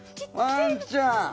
ワンちゃん。